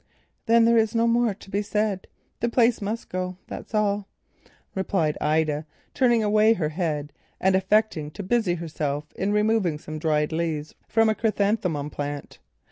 "Then there is no more to be said. The place must go, that's all," replied Ida, turning away her head and affecting to busy herself in removing some dried leaves from a chrysanthemum plant.